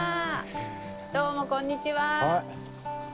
どうもこんにちは。